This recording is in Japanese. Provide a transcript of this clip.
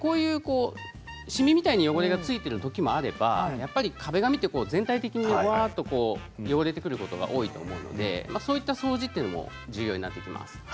しみみたいに汚れが付いているときもあれば壁紙は全体的にうわっと汚れてくることが多いと思うのでそういった掃除も重要になってきます。